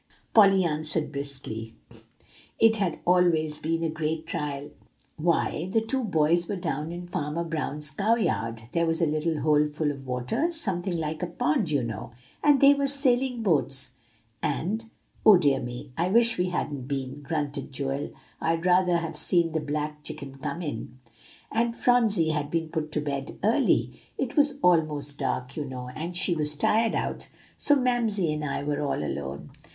Polly answered briskly, "Why, the two boys were down in Farmer Brown's cow yard; there was a little hole full of water, something like a pond, you know; and they were sailing boats, and" "Oh, dear me, I wish we hadn't been!" grunted Joel. "I'd rather have seen the black chicken come in." "And Phronsie had been put to bed early. It was almost dark, you know, and she was tired out; so Mamsie and I were all alone."